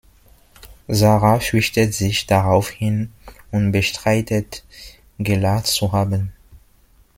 Sara fürchtet sich daraufhin und bestreitet, gelacht zu haben.